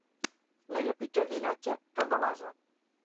No hi ha pitjor llinatge que el de l'ase.